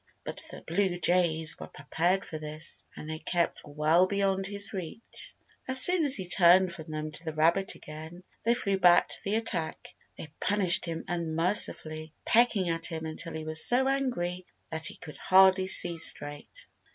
But the blue jays were prepared for this, and they kept well beyond his reach. As soon as he turned from them to the rabbit again they flew back to the attack. They punished him unmercifully, pecking at him until he was so angry that he could hardly see straight.